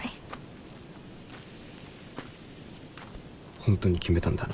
本当に決めたんだな。